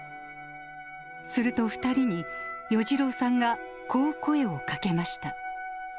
すると２人に、與二郎さんがこう声をかけました。